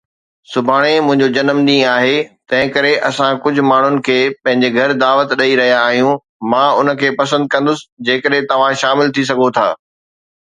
سڀاڻي منهنجو جنم ڏينهن آهي، تنهنڪري اسان ڪجهه ماڻهن کي پنهنجي گهر دعوت ڏئي رهيا آهيون. مان ان کي پسند ڪندس جيڪڏهن توهان شامل ٿي سگهو ٿا.